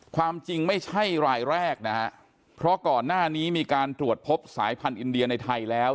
ความจริงไม่ใช่รายแรกนะฮะเพราะก่อนหน้านี้มีการตรวจพบสายพันธุ์อินเดียในไทยแล้ว